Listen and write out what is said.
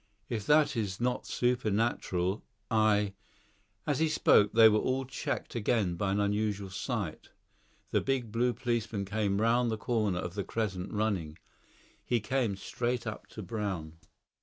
If that is not supernatural, I " As he spoke they were all checked by an unusual sight; the big blue policeman came round the corner of the crescent, running. He came straight up to Brown.